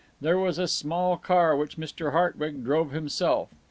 There was a small car which Mr. Hartwig drove himself.